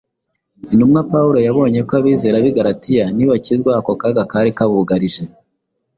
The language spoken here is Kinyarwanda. Intumwa Pawulo yabonye ko abizera b’i Galatiya nibakizwa ako kaga kari kabugarije